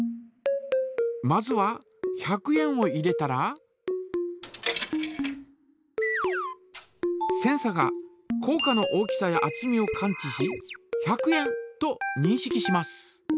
まずは１００円を入れたらセンサがこう貨の大きさやあつみを感知し「１００円」とにんしきします。